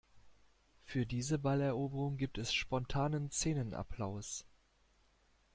Für diese Balleroberung gibt es spontanen Szenenapplaus.